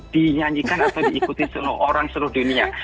dinyanyikan atau diikuti seluruh orang seluruh dunia